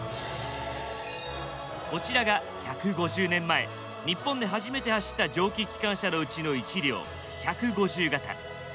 こちらが１５０年前日本で初めて走った蒸気機関車のうちの一両１５０形。